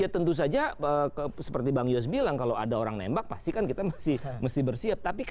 ya tentu saja seperti bang yos bilang kalau ada orang nembak pasti kan kita masih bersiap